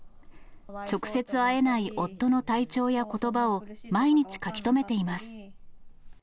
直接会えない夫の体調やことばを毎日書き留めています。